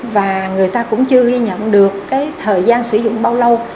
và người ta cũng chưa ghi nhận được cái thời gian sử dụng bao lâu